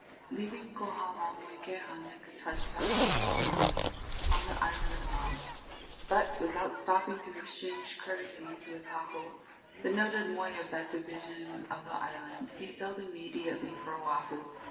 Leaving Kohala, Moikeha next touched at Hanuaula, on the island of Maui; but, without stopping to exchange courtesies with Haho, the noted moi of that division of the island, he sailed immediately for Oahu.